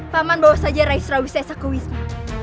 paman bawa saja rais rawis s a k u wisma